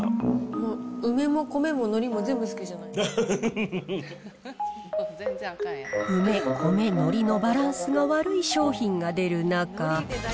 もう、梅も米ものりも、梅、米、のりのバランスが悪い商品が出る中。